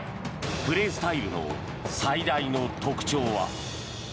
プレースタイルの最大の特徴は。